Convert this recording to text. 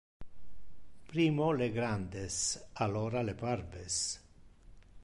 Primo le grandes, alora le parves.